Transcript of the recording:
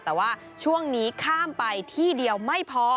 แต่ว่าช่วงนี้ข้ามไปที่เดียวไม่พอ